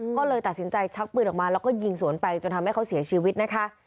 ก็เลยตัดสินใจชักปืนออกมาแล้วก็ยิงสวนไปจนทำให้เขาเสียชีวิตนะคะ